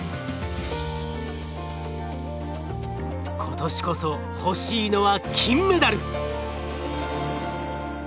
今年こそ欲しいのは金メダル！